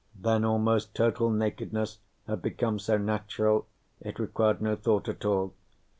Then almost total nakedness had become so natural, it required no thought at all.